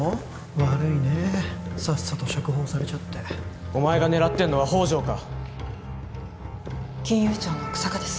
悪いねさっさと釈放されちゃってお前が狙ってんのは宝条か金融庁の日下です